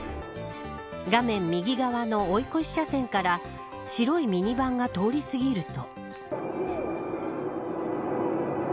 画面右側の追い越し車線から白いミニバンが通り過ぎると。